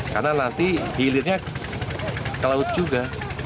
karena nanti hilirnya ke laut juga